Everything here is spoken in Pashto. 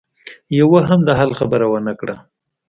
يوه هم د حل خبره ونه کړه.